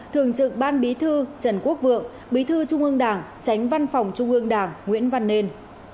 thường trực ban bí thư trần quốc vượng bí thư trung ương đảng tránh văn phòng trung ương đảng nguyễn văn nên